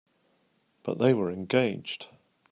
But they were engaged.